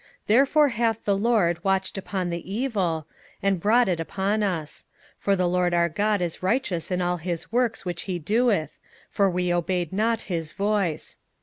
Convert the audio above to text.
27:009:014 Therefore hath the LORD watched upon the evil, and brought it upon us: for the LORD our God is righteous in all his works which he doeth: for we obeyed not his voice.